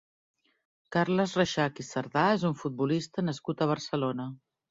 Carles Rexach i Cerdà és un futbolista nascut a Barcelona.